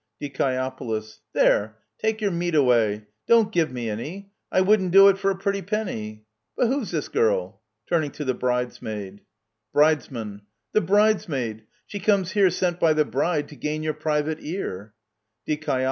Die. There — take your meat away ! Don't give me any ! I wouldn't do it for a pretty penny ! But who's this girl? (turning to the Bridesmaid.) Brid. The bridesmaid : she comes here Sent by the bride to gain your private ear. Die.